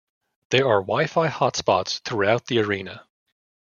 There are wi-fi hotspots throughout the arena.